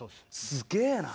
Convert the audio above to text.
すげぇな！